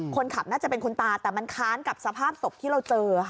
คนขับน่าจะเป็นคุณตาแต่มันค้านกับสภาพศพที่เราเจอค่ะ